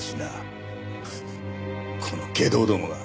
この外道どもが。